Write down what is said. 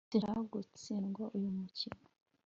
sinshaka gutsindwa uyu mukino